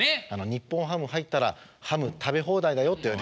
「日本ハム入ったらハム食べ放題だよ」って言われて。